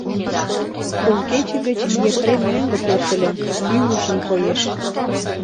Кум кече гыч Епрем мӧҥгӧ пӧртыльӧ, ӱҥышын коеш.